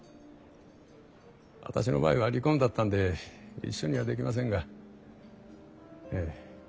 私の場合は離婚だったんで一緒にはできませんがええ